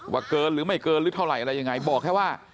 เกินหรือไม่เกินหรือเท่าไหร่อะไรยังไงบอกแค่ว่า